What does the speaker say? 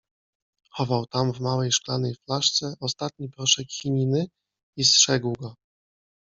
Chował tam w małej szklanej flaszce ostatni proszek chininy i strzegł go.